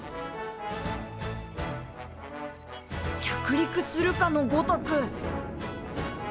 着陸するかのごとく。